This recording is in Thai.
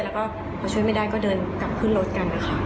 แล้วก็พอช่วยไม่ได้ก็เดินกลับขึ้นรถกันนะคะ